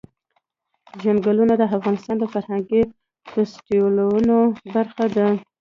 چنګلونه د افغانستان د فرهنګي فستیوالونو برخه ده.